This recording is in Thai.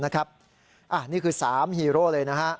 นี่คือสามฮีโร่เลย